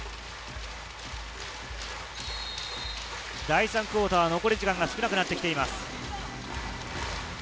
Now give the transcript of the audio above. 第３クオーター、残り時間が少なくなってきています。